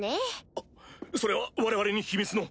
あっそれは我々に秘密の？